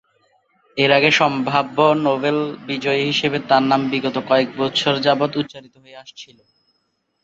এর আগে সম্ভাব্য নোবেল বিজয়ী হিসেবে তার নাম বিগত কয়েক বৎসর যাবৎ উচ্চারিত হয়ে আসছিল।